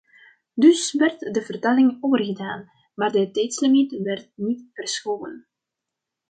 Dus werd de vertaling overgedaan, maar de tijdslimiet werd niet verschoven.